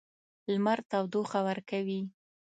لمر تودوخه ورکوي.